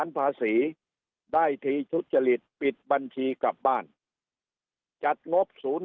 ภาษีได้ทีทุจริตปิดบัญชีกลับบ้านจัดงบศูนย์